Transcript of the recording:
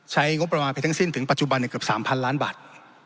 ใช้งบประมาณไปทั้งสิ้นถึงปัจจุบันเกือบ๓๐๐ล้านบาท